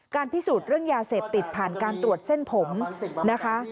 พิสูจน์เรื่องยาเสพติดผ่านการตรวจเส้นผมนะคะ